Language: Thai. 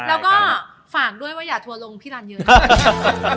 แล้วก็ฝากด้วยว่าอย่าทัวร์ลงพี่รันเยอะนะ